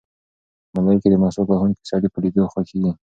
ملایکې د مسواک وهونکي سړي په لیدو خوښېږي.